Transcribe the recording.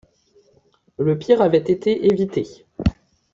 Le pire avait été évité.